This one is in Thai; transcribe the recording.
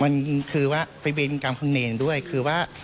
มันคือว่าไปเวรกรรมคุณเนรด้วยคือว่า